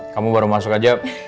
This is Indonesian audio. kamu baru masuk aja